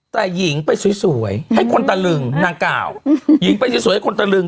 แต่หญิงไปสวยให้คนตะลึงนางกล่าวหญิงไปสวยให้คนตะลึง